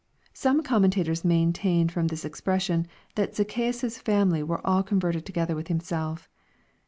] Some commentators maintain from this expression that Zacchaeus' family were all converted to gether with himself.